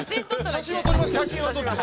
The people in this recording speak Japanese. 写真は撮りましたよね。